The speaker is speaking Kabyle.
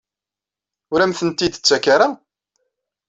Ur am-tent-id-tettak ara?